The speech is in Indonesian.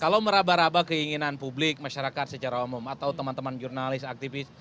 kalau meraba raba keinginan publik masyarakat secara umum atau teman teman jurnalis aktivis